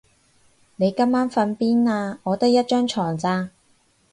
你今晚瞓邊啊？我得一張床咋